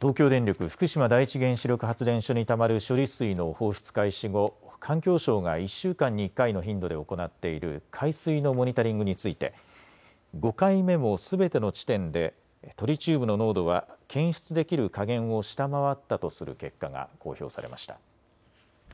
東京電力福島第一原子力発電所にたまる処理水の放出開始後、環境省が１週間に１回の頻度で行っている海水のモニタリングについて５回目もすべての地点でトリチウムの濃度は検出できる下限を下回ったとする結果が公表されました。